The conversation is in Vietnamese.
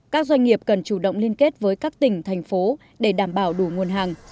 các doanh nghiệp cần chủ động liên kết với các tỉnh thành phố để đảm bảo đủ nguồn hàng